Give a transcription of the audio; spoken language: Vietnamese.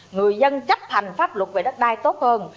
người dân chấp hành pháp luật về đất đai tốt hơn